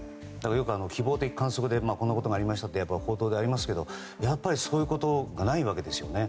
よく、希望的観測でこんなことがありましたって報道でありますがそういうことがないわけですよね。